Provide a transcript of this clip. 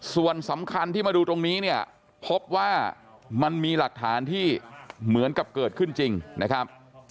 ส่วนสำคัญที่มาดูตรงนี้เนี่ยพบว่ามันมีหลักฐานที่เหมือนกับเกิดขึ้นจริงนะครับ